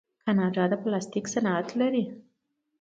کاناډا د پلاستیک صنعت لري.